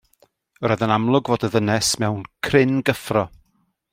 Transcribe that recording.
Yr oedd yn amlwg fod y ddynes mewn cryn gyffro.